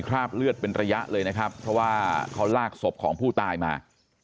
คราบเลือดเป็นระยะเลยนะครับเพราะว่าเขาลากศพของผู้ตายมา